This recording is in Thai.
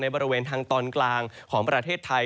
บริเวณทางตอนกลางของประเทศไทย